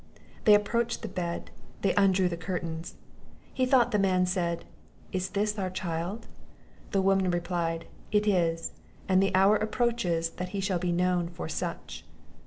They approached the bed; they undrew the curtains. He thought the man said, "Is this our child?" The woman replied, "It is; and the hour approaches that he shall be known for such."